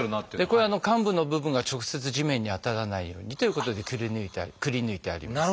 これ患部の部分が直接地面に当たらないようにということでくりぬいてあります。